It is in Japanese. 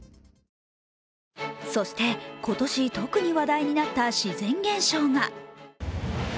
そして今年特に話題になった自然現象が。